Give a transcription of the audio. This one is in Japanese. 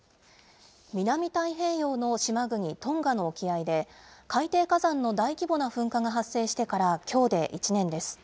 南太平洋の島国、トンガの沖合で、海底火山の大規模な噴火が発生してからきょうで１年です。